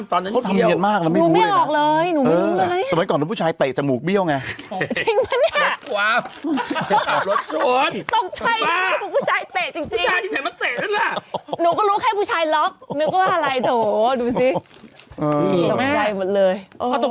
จริงปะเนี่ยตกใจที่มันคือผู้ชายเตะจริงหนูก็รู้แค่ผู้ชายล๊อคนึกว่าอะไรแต่โหดูสิ